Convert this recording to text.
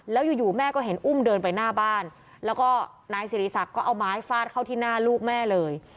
แล้วอยู่แม่ก็เห็นอุ้มเดินไปหน้าบ้านแล้วก็นายสิริศักดิ์ก็เอาไม้ฟาดเข้าที่หน้าลูกแม่เลย